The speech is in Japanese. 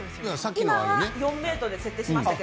今は４ｍで設定しました。